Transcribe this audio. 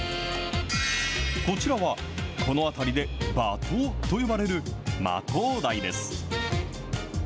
こちらは、この辺りでばとうと呼ばれるマトウダイです。